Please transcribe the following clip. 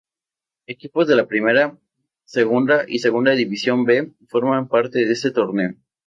Equipos de la Primera, Segunda y Segunda División B forman parte de este torneo.